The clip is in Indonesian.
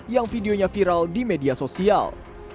yang videonya viral di media sosial